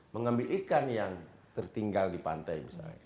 mengambil ikan yang tertinggal di pantai misalnya